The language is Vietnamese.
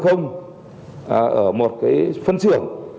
ở một cái phân xưởng